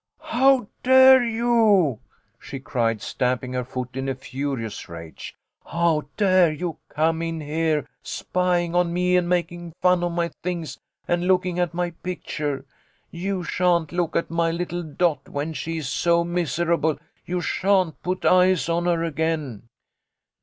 " How dare you !" she cried, stamping her foot in a furious rage. " How dare you come in here spying on me and making fun of my things and looking at my picture ! You sha'n't look at my little Dot when she is so miserable. You sha'n't put eyes on her again